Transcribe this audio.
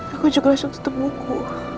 aku juga langsung tetep buku